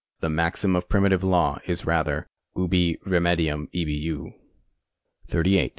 The maxim of primitive law is rather, Ubi remcdium ibi jus. 38.